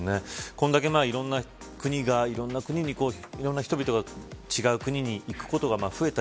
これだけいろんな国にいろんな人々が違う国に行くことが増えた